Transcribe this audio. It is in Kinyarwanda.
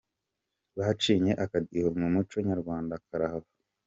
Bacinye akadiho mu muco nyarwanda karahava .